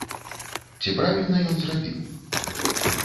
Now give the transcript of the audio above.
Ці правільна ён зрабіў?